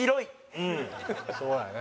そうだね